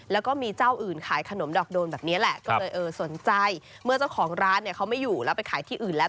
แล้วก็มีเจ้าอื่นขายขนมดอกโดนแบบนี้แหละก็เลยเออสนใจเมื่อเจ้าของร้านเนี่ยเขาไม่อยู่แล้วไปขายที่อื่นแล้ว